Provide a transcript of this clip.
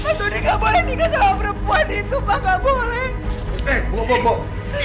mas todi gak boleh nikah sama perempuan itu pak gak boleh